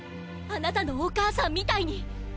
あなたのお母さんみたいに！！